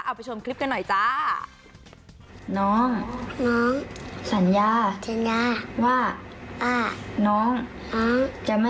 ไปชมคลิปกันหน่อยจ้า